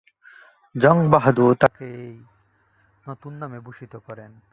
জঙ্গ বাহাদুর তাকে এই নতুন নামে ভূষিত করেন।